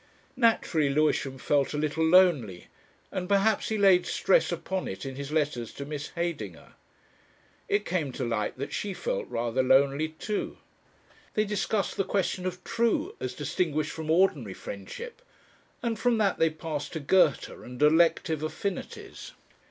Naturally Lewisham felt a little lonely, and perhaps he laid stress upon it in his letters to Miss Heydinger. It came to light that she felt rather lonely too. They discussed the question of True as distinguished from Ordinary Friendship, and from that they passed to Goethe and Elective Affinities.